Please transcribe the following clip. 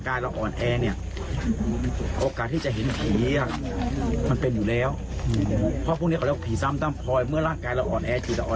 ซึ่งตัวผมตอนที่ผมป่วยหนักตอนอายุ๒๐ประมาณนี้